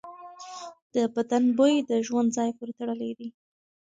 د بدن بوی د ژوند ځای پورې تړلی دی.